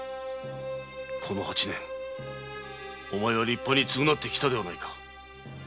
この八年お前は立派に償ってきたではないか。